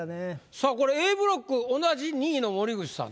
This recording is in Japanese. さあこれＡブロック同じ２位の森口さん